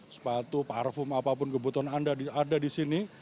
sepatu parfum apapun kebutuhan anda ada di sini